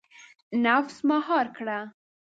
• نفس مهار کړه.